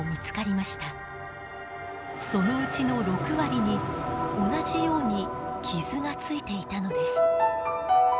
そのうちの６割に同じように傷がついていたのです。